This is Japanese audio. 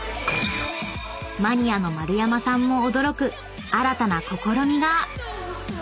［マニアの丸山さんも驚く新たな試みが！］